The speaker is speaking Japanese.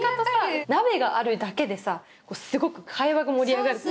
鍋があるだけでさすごく会話が盛り上がる。